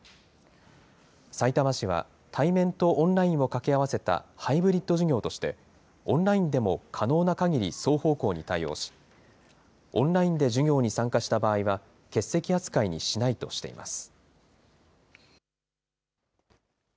さいたま市は、対面とオンラインを掛け合わせたハイブリッド授業として、オンラインでも可能なかぎり双方向に対応し、オンラインで授業に参加した場合は、欠席扱いにしないとしています。